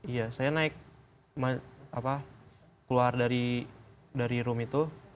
iya saya naik keluar dari room itu